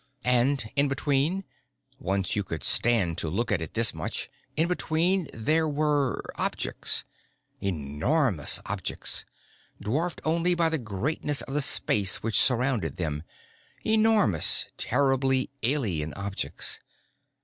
And in between once you could stand to look at it this much in between, there were objects. Enormous objects, dwarfed only by the greatness of the space which surrounded them, enormous, terribly alien objects.